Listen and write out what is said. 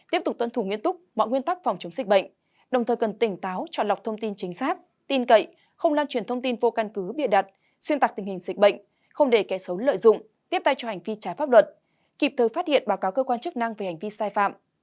tiếp tục tuân thủ nghiêm túc mọi nguyên tắc phòng chống dịch bệnh đồng thời cần tỉnh táo chọn lọc thông tin chính xác tin cậy không lan truyền thông tin vô căn cứ bịa đặt xuyên tạc tình hình dịch bệnh không để kẻ xấu lợi dụng tiếp tay cho hành vi trái pháp luật kịp thời phát hiện báo cáo cơ quan chức năng về hành vi sai phạm